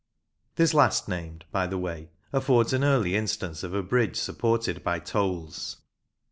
This last named, by the way, affords an early instance of a bridge supported by tolls.